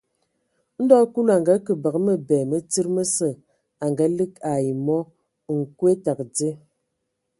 Ndɔ Kulu a ngake bǝgǝ mǝbɛ mǝ tsíd mǝsǝ a ngaligi ai mɔ : nkwe tǝgǝ dzye.